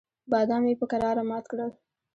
بادام یې په کراره مات کړل.